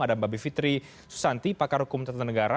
ada mbak bivitri susanti pakar hukum tentenegara